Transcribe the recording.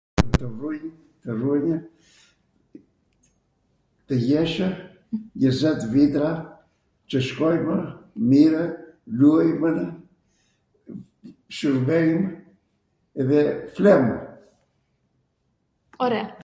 tw runj, tw runjw, tw jeshw njwzet vitra qw shkojmw mirw, luajmw, shwrbejm dhe flwm.